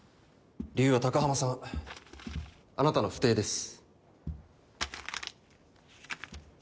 理由は高濱さんあなたの不貞です。